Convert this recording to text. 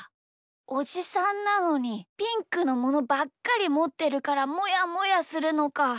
おじさんなのにピンクのものばっかりもってるからもやもやするのか。